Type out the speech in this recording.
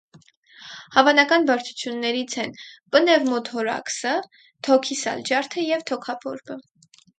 Հավանական բարդություններից են պնևմոթորաքսը, թոքի սալջարդը և թոքաբորբը։